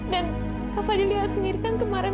dan kak fadilya sendiri kan kemarin